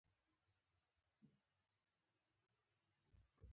ما پولیسو ته خبر ورکړ او بې هوښه شوم.